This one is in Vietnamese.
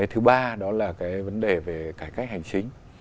thứ ba đó là cái vấn đề về cải cách hành chính